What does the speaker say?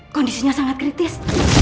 kondisinya sangat kritis